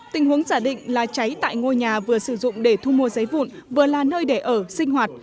tình huống giả định là cháy tại ngôi nhà vừa sử dụng để thu mua giấy vụn vừa là nơi để ở sinh hoạt